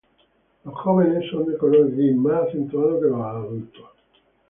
Los jóvenes son de color gris más acentuado que los adultos.